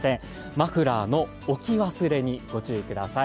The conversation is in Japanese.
マフラーの置き忘れにご注意ください。